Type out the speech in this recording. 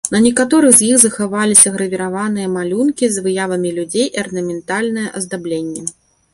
На некаторых з іх захаваліся гравіраваныя малюнкі з выявамі людзей і арнаментальнае аздабленне.